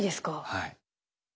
はい。